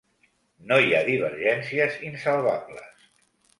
No hi ha divergències insalvables.